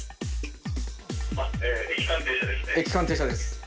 駅間停車です。